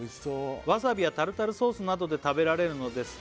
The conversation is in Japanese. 「わさびやタルタルソースなどで食べられるのですが」